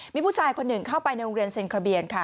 มีผู้ชายคนหนึ่งเข้าไปในโรงเรียนเซ็นคาเบียนค่ะ